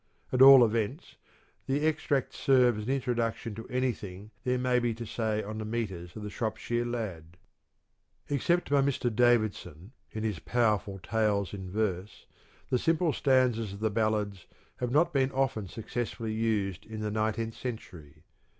At all events, the extracts serve as an introduction to anything there may be to say on the metres of the "Shropshire Lad." Except by Mr. Davidson in his powerful tales in verse, the simple stanzas of the ballads have not been often successfully used in the nineteenth century.